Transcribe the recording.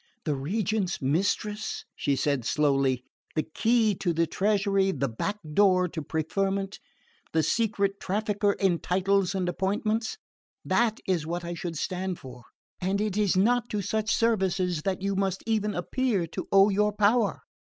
"The Regent's mistress?" she said slowly. "The key to the treasury, the back door to preferment, the secret trafficker in titles and appointments? That is what I should stand for and it is not to such services that you must even appear to owe your power.